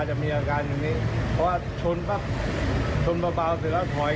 ชนอีกครั้งจนพังหมดเลย